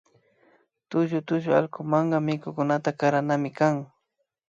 Tullu tullu allkumanka mikunata karanami kan